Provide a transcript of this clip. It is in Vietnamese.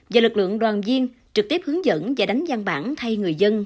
và lực lượng đoàn viên trực tiếp hướng dẫn và đánh gian bản thay người dân